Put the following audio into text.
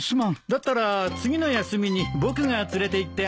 だったら次の休みに僕が連れていってあげるよ。